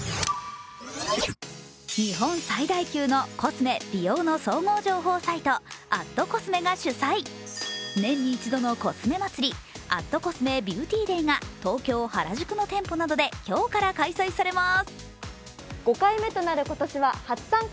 日本最大級のコスメ・美容の総合情報サイト、＠ｃｏｓｍｅが主催、年に１度のコスメ祭、＠ｃｏｓｍｅＢＥＡＵＴＹＤＡＹが東京・原宿の店舗などで今日から開催されます。